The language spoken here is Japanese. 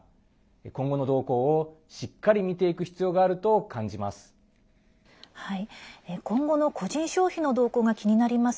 今後の動向を、しっかり見ていく必要があると感じます。